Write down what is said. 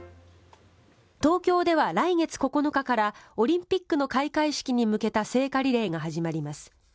東京では来月９日からオリンピックの開会式に向けた聖火リレーが始まります。